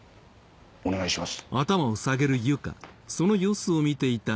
お願いします。